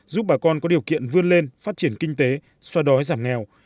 giúp bà con có điều kiện vươn lên phát triển kinh tế xoa đói giảm nghèo